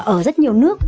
ở rất nhiều nước